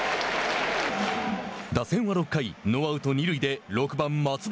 打線は６回ノーアウト、二塁で六番松原。